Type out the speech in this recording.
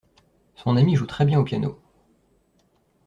Son amie joue très bien au piano.